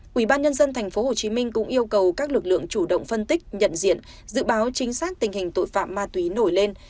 quỹ ban nhân dân tp hcm cũng yêu cầu các lực lượng chủ động phân tích nhận diện dự báo chính xác tình hình tội phạm ma túy nổi lên